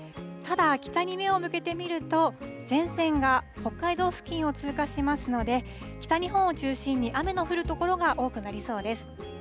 ただ、北に目を向けて見ると、前線が北海道付近を通過しますので、北日本を中心に、雨の降る所が多くなりそうです。